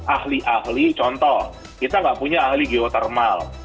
ahli ahli contoh kita tidak punya ahli geotermal